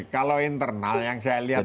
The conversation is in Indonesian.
kalau internal yang saya lihat